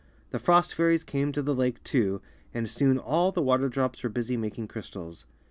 The frost fairies came to the lake, too, and soon all the water drops were busy making crystals.